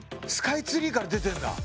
スカイツリーから出てんだ！